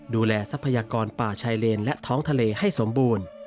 ทรัพยากรป่าชายเลนและท้องทะเลให้สมบูรณ์